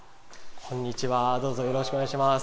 こんにちは、どうぞよろしくお願いします。